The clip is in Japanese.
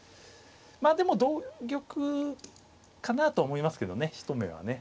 まあでも同玉かなと思いますけどね一目はね。